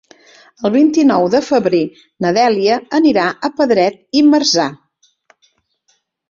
El vint-i-nou de febrer na Dèlia anirà a Pedret i Marzà.